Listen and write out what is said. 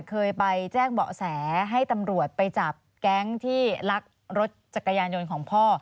เคยไปแจ้งเบาะแสให้ตำรวจไปจับแก๊งที่ลักรถจักรยานยนต์ของพ่อ